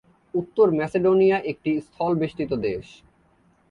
উত্তর ম্যাসেডোনিয়া একটি স্থলবেষ্টিত দেশ।